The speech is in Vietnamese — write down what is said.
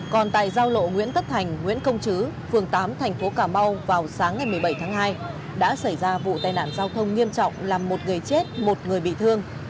còn tại giao lộ nguyễn tất thành nguyễn công chứ phường tám thành phố cà mau vào sáng ngày một mươi bảy tháng hai đã xảy ra vụ tai nạn giao thông nghiêm trọng làm một người chết một người bị thương